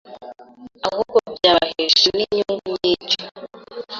ahubwo byabahesha n’inyungu nyinshi.